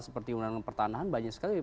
seperti undang undang pertanahan banyak sekali